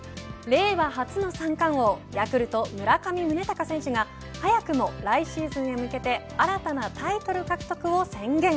令和初の三冠王ヤクルト村上宗隆選手が早くも来シーズンへ向けて新たなタイトル獲得を宣言。